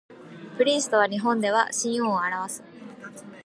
プリンスとは日本では親王を表す